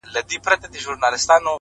o ه ستا د غزل سور له تورو غرو را اوړي ـ